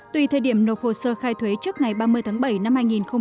tùy thời điểm nộp hồ sơ khai thuế trước ngày ba mươi tháng bảy năm hai nghìn hai mươi